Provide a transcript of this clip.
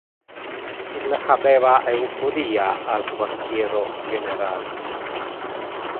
Il habeva euphoria al quartiero general.